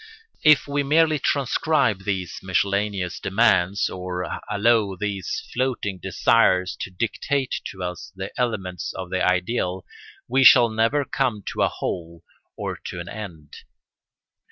If we merely transcribe these miscellaneous demands or allow these floating desires to dictate to us the elements of the ideal, we shall never come to a Whole or to an End.